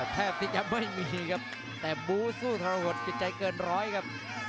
แทบที่จะไม่มีครับแต่บูสู้ทรหดจิตใจเกินร้อยครับ